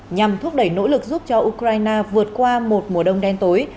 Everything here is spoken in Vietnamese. nhằm thúc đẩy nỗ lực giúp cho ukraine vượt qua một mùa đông đen tối